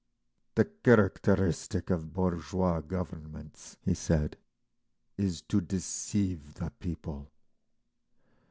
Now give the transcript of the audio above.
"The characteristic of bourgeois governments," he said, "is to deceive the people.